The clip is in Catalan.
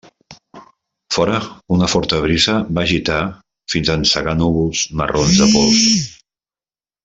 Fora, una forta brisa va agitar fins a encegar núvols marrons de pols.